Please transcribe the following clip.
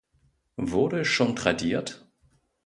Wurde es schon tradiert?